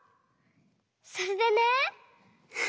それでね。